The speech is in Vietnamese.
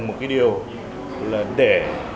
một cái điều là để